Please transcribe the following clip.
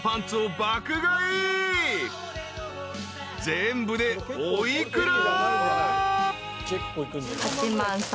［全部でお幾ら？］